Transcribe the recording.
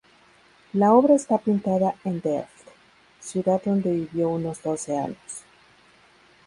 La obra está pintada en Delft, ciudad donde vivió unos doce años.